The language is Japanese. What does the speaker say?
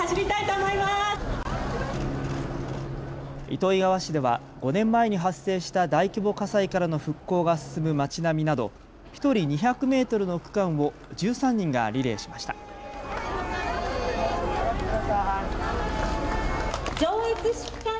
糸魚川市では５年前に発生した大規模火災からの復興が進む町並みなど１人２００メートルの区間を１３人がリレーしました。